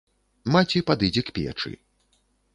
Маці падыдзе к печы.